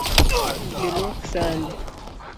Dhi luok sande